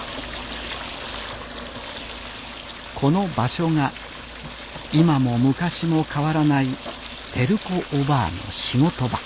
この場所が今も昔も変わらない照子おばぁの仕事場